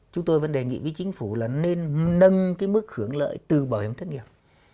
chúng tôi vẫn đề nghị với chính phủ là nên nâng cái mức hưởng lợi từ bảo hiểm thất nghiệp